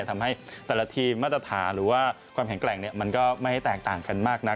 ทำให้แต่ละทีมมาตรฐานหรือว่าความแข็งแกร่งมันก็ไม่แตกต่างกันมากนัก